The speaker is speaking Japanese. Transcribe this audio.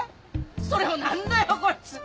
それを何だよこいつ。